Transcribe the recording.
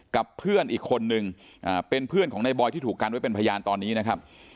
กับเพื่อนอีกคนนึงเป็นเพื่อนของในบอยที่ถูกกันไว้เป็นพยานตอนนี้นะครับ